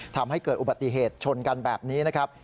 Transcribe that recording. ทำให้เกิดอุบัติเหตุชนกันแบบนี้นะครับ